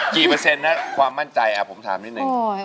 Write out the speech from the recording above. เปอร์เซ็นต์นะความมั่นใจผมถามนิดนึง